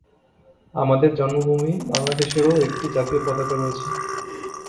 আমাদের জন্মভূমি বাংলাদেশেরও একটি জাতীয় পতাকা রয়েছে।